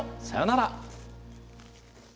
さようなら。